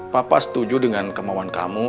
papa setuju dengan kemauan kamu